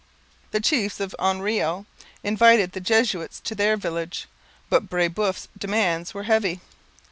The chiefs of Oenrio invited the Jesuits to their village. But Brebeuf's demands were heavy.